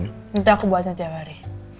nanti aku buatin tiap hari